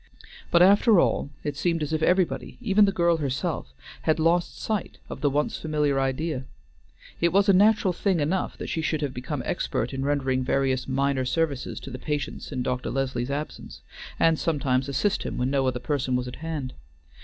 But after all, it seemed as if everybody, even the girl herself, had lost sight of the once familiar idea. It was a natural thing enough that she should have become expert in rendering various minor services to the patients in Dr. Leslie's absence, and sometimes assist him when no other person was at hand.